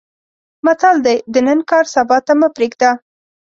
متل دی: د نن کار سبا ته مه پرېږده.